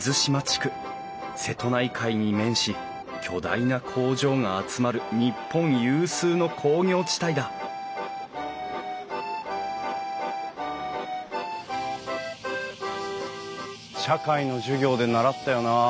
瀬戸内海に面し巨大な工場が集まる日本有数の工業地帯だ社会の授業で習ったよなあ。